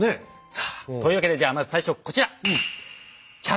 さあというわけでじゃあまず最初こちら。